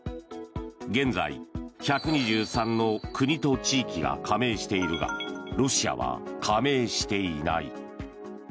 現在、１２３の国と地域が加盟しているがロシアは加盟していない。